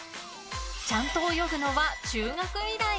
ちゃんと泳ぐのは中学以来。